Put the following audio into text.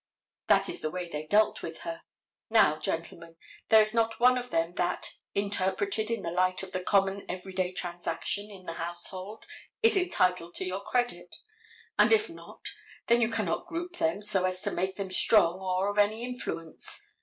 That is the way they dealt with her. Now, gentlemen, there is not one of them that, interpreted in the light of the common every day transactions in the household, is entitled to your credit. And if not, then you cannot group them so as to make them strong or of any influence.